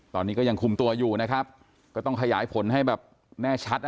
ตอนนี้ก็ยังคุมตัวอยู่นะครับก็ต้องขยายผลให้แบบแน่ชัดนะ